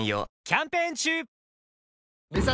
キャンペーン中！